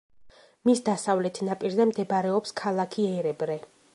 მის დასავლეთ ნაპირზე მდებარეობს ქალაქი ერებრე.